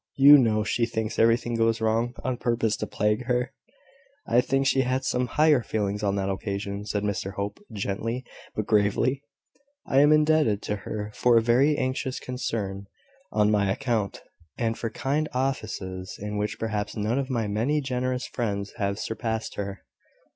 You know she thinks everything goes wrong, on purpose to plague her." "I think she had some higher feelings on that occasion," said Mr Hope, gently, but gravely. "I am indebted to her for a very anxious concern on my account, and for kind offices in which perhaps none of my many generous friends have surpassed her."